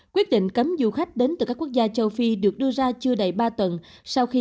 quyết định cấm du khách đến từ các quốc gia châu phi được đưa ra chưa đầy ba tuần sau khi